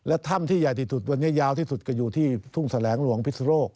และถ้ำที่ใหญ่ที่สุดวันนี้ยาวที่สุดก็อยู่ที่ทุ่งแสลงหลวงพิศโรค